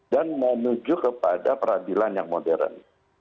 dan menuju kepada peradilan yang modern